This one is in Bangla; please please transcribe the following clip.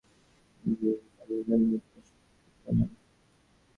ও এই কাজের জন্য প্রশিক্ষিত না।